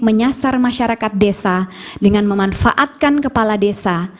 menyasar masyarakat desa dengan memanfaatkan kepala desa